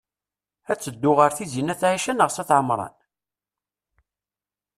Ad teddu ɣer Tizi n at Ɛica neɣ s at Ɛemṛan?